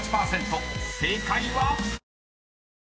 正解は⁉］